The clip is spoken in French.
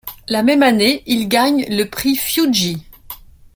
La même année, il gagne le prix Fiuggi.